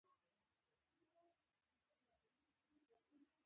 زمانشاه د حملې کولو جدي نیت لري.